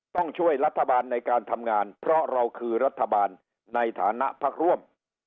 ต้องช่วยรัฐบาลในการทำงานเพราะเราคือรัฐบาลในฐานะพักร่วม